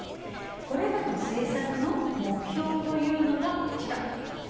これらの政策の目標というのがこちら。